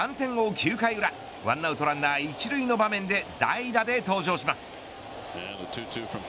９回裏１アウトランナー一塁の場面で代打で登場します。